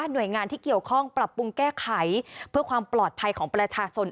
หน่วยงานที่เกี่ยวข้องปรับปรุงแก้ไขเพื่อความปลอดภัยของประชาชน